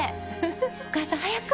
お母さん早く！